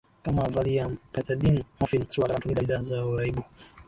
kama Valium pethedine morphine Suala la matumizi ya bidhaa za uraibu